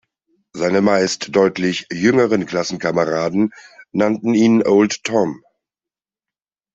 Seine meist deutlich jüngeren Klassenkameraden nannten ihn "Old Tom".